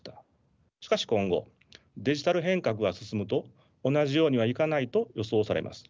しかし今後デジタル変革が進むと同じようにはいかないと予想されます。